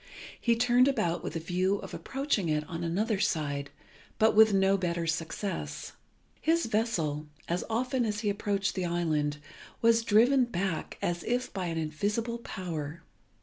He turned about with a view of approaching it on another side, but with no better success. His vessel, as often as he approached the island, was driven back as if by an invisible power.